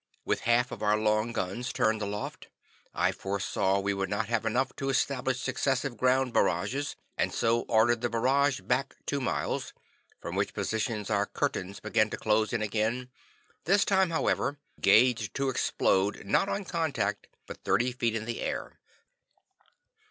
With half of our long guns turned aloft, I foresaw we would not have enough to establish successive ground barrages and so ordered the barrage back two miles, from which positions our "curtains" began to close in again, this time, however, gauged to explode, not on contact, but thirty feet in the air.